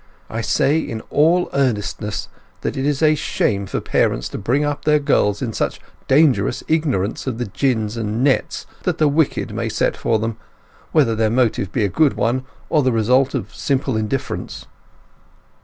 I say in all earnestness that it is a shame for parents to bring up their girls in such dangerous ignorance of the gins and nets that the wicked may set for them, whether their motive be a good one or the result of simple indifference."